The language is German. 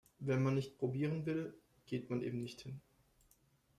Wenn man nicht probieren will, geht man eben nicht hin!